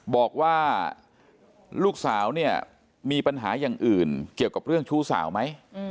บอกว่าลูกสาวเนี่ยมีปัญหาอย่างอื่นเกี่ยวกับเรื่องชู้สาวไหม